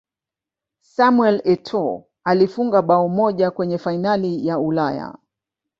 samuel etoo alifunga bao moja kwenye fainali ya ulaya